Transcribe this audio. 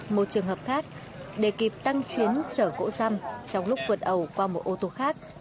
một trường hợp khác để kịp tăng chuyến chở gỗ răm trong lúc vượt ẩu qua một ô tô khác